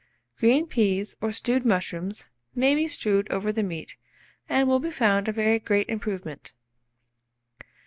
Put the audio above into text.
Green peas, or stewed mushrooms, may be strewed over the meat, and will be found a very great improvement.